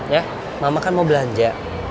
ya mama kan mau belanja